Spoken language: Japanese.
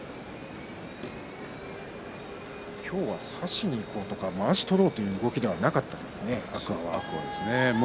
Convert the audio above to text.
今日は差しにいこうとかまわしを取ろうとかいう動きではなかったですね、天空海は。